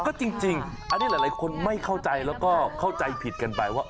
ก็จริงอันนี้หลายคนไม่เข้าใจแล้วก็เข้าใจผิดกันไปว่า